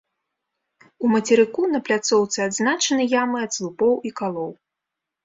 У мацерыку на пляцоўцы адзначаны ямы ад слупоў і калоў.